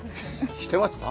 してました？